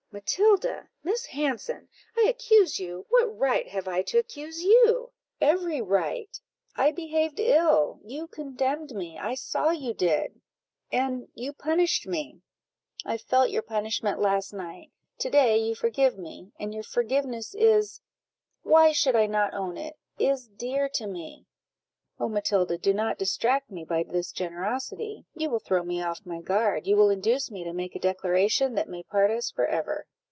"Matilda! Miss Hanson! I accuse you! what right have I to accuse you?" "Every right. I behaved ill you condemned me I saw you did; and you punished me. I felt your punishment last night to day you forgive me; and your forgiveness is why should I not own it? is dear to me." "Oh, Matilda, do not distract me by this generosity! you will throw me off my guard you will induce me to make a declaration that may part us for ever."